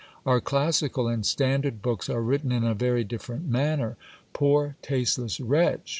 Our classical and standard books are written in a very different manner. Poor tasteless wretch